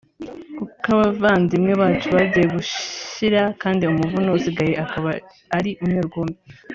kuko abavandimwe bacu bagiye gushira kandi umuvuno usigaye akaba ari umwe rukumbi